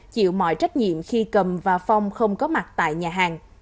chịu mọi trách nhiệm khi cầm và phong không có mặt tại nhà hàng